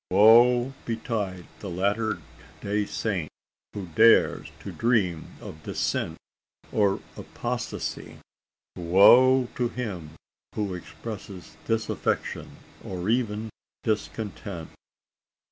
Woe betide the Latter day Saint, who dares to dream of dissent or apostasy! Woe to him who expresses disaffection, or even discontent!